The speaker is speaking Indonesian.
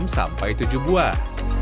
sampai tujuh buah